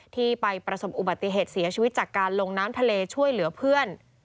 ที่ไปประสบอุบัติเหตุเสียชีวิตจากการลงน้ำทะเลช่วยเหลือเพื่อน